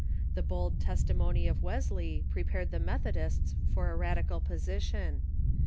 The bold testimony of Wesley prepared the Methodists asUcaf Action ^^^^ radical position.